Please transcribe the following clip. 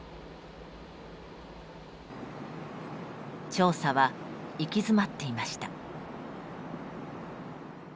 調査は行き詰まっていました。